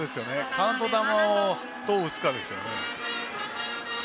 カウント球をどう打つかですね。